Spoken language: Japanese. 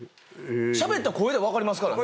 しゃべったら声でわかりますからね。